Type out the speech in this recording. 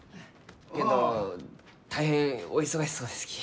けんど大変お忙しそうですき。